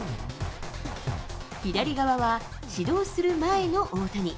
左側は指導する前の大谷。